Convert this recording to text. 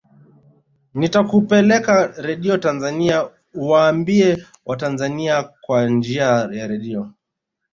nitakupeleka radio tanzania uwaambie watanzania kwa njia ya radio